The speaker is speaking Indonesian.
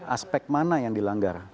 aspek mana yang dilanggar